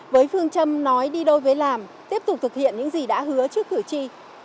với phương châm nói đi đôi với làm tiếp tục thực hiện những gì đã hứa trước cử tri